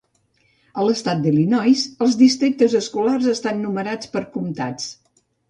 A l'estat d'Illinois els districtes escolars estan numerats per comtats.